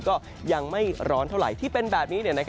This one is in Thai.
ก็ยังไม่ร้อนเท่าไหร่ที่เป็นแบบนี้